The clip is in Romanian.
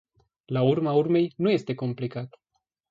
La urma urmei, nu este complicat!